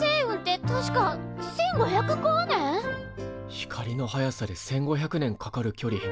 光の速さで１，５００年かかる距離。